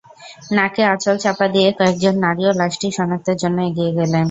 নাকে আঁচল চাপা দিয়ে কয়েকজন নারীও লাশটি শনাক্তের জন্য এগিয়ে গেলেন।